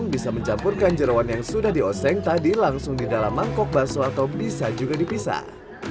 bisa mencampurkan jerawan yang sudah dioseng tadi langsung di dalam mangkok bakso atau bisa juga dipisah